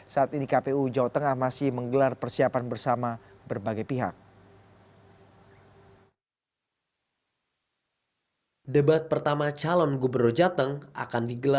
saat ini kpu jawa tengah masih menggelar persiapan bersama berbagai pihak